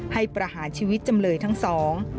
ประหารชีวิตจำเลยทั้งสอง